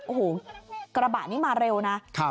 โอ้โหกระบะนี้มาเร็วนะ